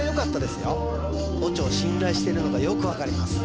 よオチョを信頼してるのがよく分かります